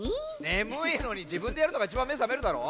ねむいのにじぶんでやるのがいちばんめさめるだろ。